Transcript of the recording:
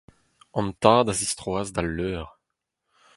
An tad a zistroas d’ al leur.